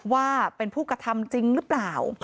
ว่าเป็นผู้กระทำจริงหรือเปล่า